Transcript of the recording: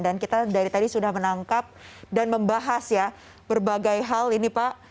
dan kita dari tadi sudah menangkap dan membahas ya berbagai hal ini pak